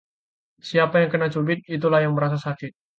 Siapa yang kena cubit, itulah yang merasa sakit